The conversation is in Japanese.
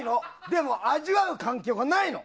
でも味わう環境がないの。